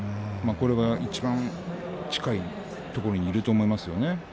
それがいちばん近いところにいると思いますよね。